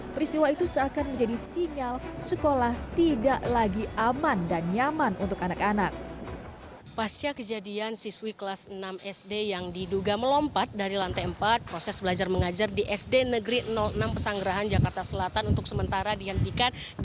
peristiwa itu seakan menjadi sinyal sekolah tidak lagi aman dan nyaman untuk anak anak